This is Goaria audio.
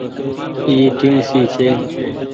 اي ٽيڻسي ڇي۔